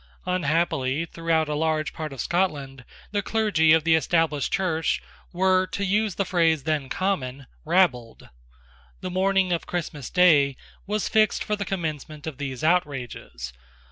Unhappily throughout a large part of Scotland the clergy of the Established Church were, to use the phrase then common, rabbled. The morning of Christmas day was fixed for the commencement of these outrages.